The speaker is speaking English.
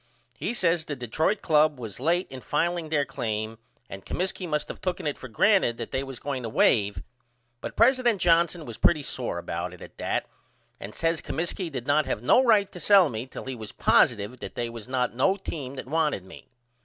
He says the Detroit Club was late in fileing their claim and Comiskey must of tooken it for granted that they was going to wave but president Johnson was pretty sore about it at that and says Comiskey did not have no right to sell me till he was positive that they was not no team that wanted me.